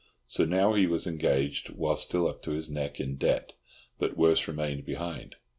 So now he was engaged while still up to his neck in debt; but worse remained behind.